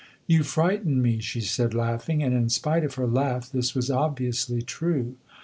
"You frighten me," she said laughing; and in spite of her laugh this was obviously true.